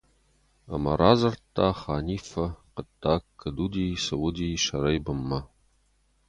Ӕмӕ радзырдта Ханиффӕ, хъуыддаг куыд уыди, цы уыди сӕрӕй бынмӕ.